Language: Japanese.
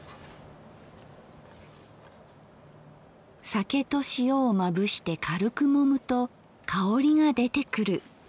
酒と塩をまぶして軽くもむと香りが出てくる。